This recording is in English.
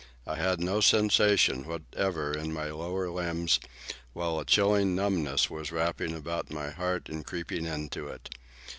I had no sensation whatever in my lower limbs, while a chilling numbness was wrapping about my heart and creeping into it.